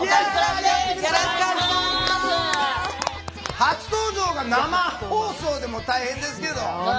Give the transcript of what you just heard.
初登場が生放送でも大変ですけど。